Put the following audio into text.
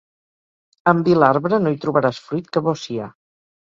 En vil arbre no hi trobaràs fruit que bo sia.